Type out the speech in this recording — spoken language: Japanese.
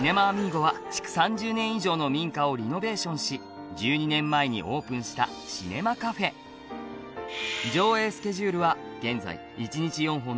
「築３０年以上の民家をリノベーションし１２年前にオープンしたシネマカフェ」「上映スケジュールは現在」